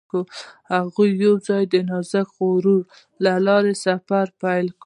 هغوی یوځای د نازک غروب له لارې سفر پیل کړ.